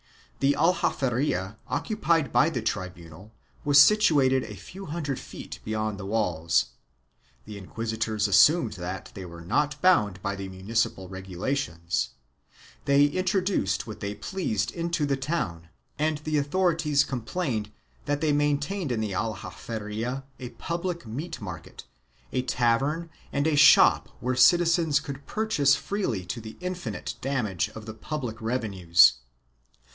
The Aljaferia, occupied by the trbunal, was situated a few hundred feet beyond the walls; the inquisitors assumed that they were not bound by the municipal regulations; they introduced what they pleased into the town and the authorities complained that they maintained in the Aljaferia a public meat market, a tavern and a shop where citizens could purchase freely to the infinite damage of the public revenues.